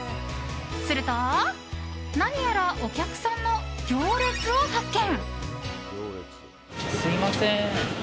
すると、何やらお客さんの行列を発見。